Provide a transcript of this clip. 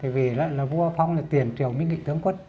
vì là vua phong là tiền triều minh nghị tướng quân